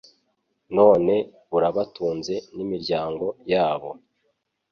None burabatunze n'imiryango yabo.